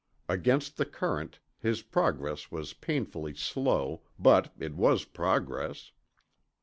Against the current, his progress was painfully slow, but it was progress.